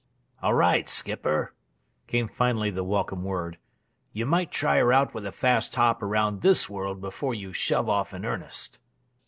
"All right, Skipper!" came finally the welcome word. "You might try her out with a fast hop around this world before you shove off in earnest."